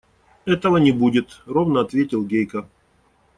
– Этого не будет, – ровно ответил Гейка.